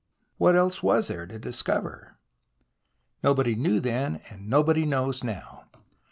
What else was there to discover ? Nobody knew then. Nobody knows now.